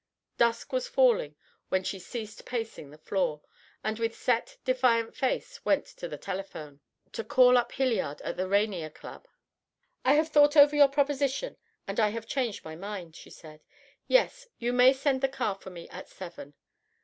Dusk was falling when she ceased pacing the floor, and with set, defiant face went to the telephone, to call up Hilliard at the Rainier Club. "I have thought over your proposition and I have changed my mind," she said. "Yes, you may send the car for me at seven."